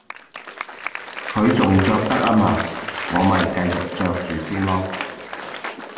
佢仲着得吖嘛，我咪繼續着住先囉